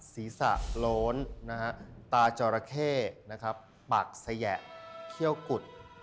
ศีรษะโล้นนะครับตาจอราเข้นะครับปากแสแห่เคี้ยวกุฎ